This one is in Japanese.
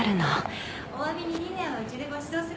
・おわびにディナーはうちでごちそうするから。